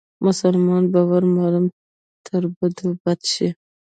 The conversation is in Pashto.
مسلمان به ور معلوم تر بدو بد شي